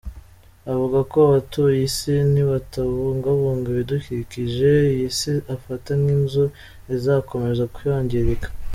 Avuga ko abatuye isi nibatabungabunga ibidukikije, iyi si afata nk’inzu izakomeza kwangirika.